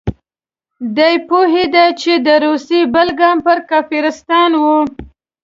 ده پوهېده چې د روسیې بل ګام به کافرستان وي.